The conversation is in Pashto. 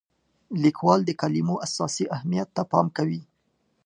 لیکوال د کلمو اساسي اهمیت ته پام کوي.